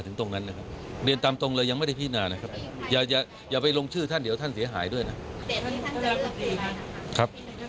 คุณนายการรัฐมนตรีค่ะคุณนายการรัฐมนตรีค่ะ